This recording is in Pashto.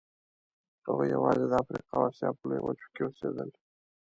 هغوی یواځې د افریقا او اسیا په لویو وچو کې اوسېدل.